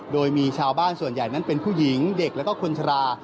โดยมีชาวบ้านส่วนใหญ่นั้นเป็นผู้หญิงเด็กแล้วก็คนชรา